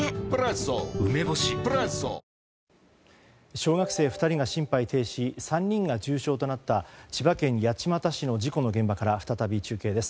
小学生２人が心肺停止３人が重傷となった千葉県八街市の事故の現場から再び中継です。